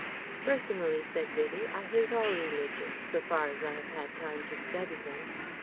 "Personally," said Vivie, "I hate all religions, so far as I have had time to study them.